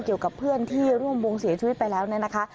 เกี่ยวกับเพื่อนที่ร่วมวงเสียชีวิตไปแล้วเนี่ยนะคะ